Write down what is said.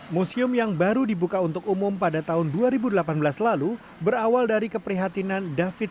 museum yang baru dibuka untuk umum pada tahun dua ribu delapan belas lalu berawal dari keprihatinan david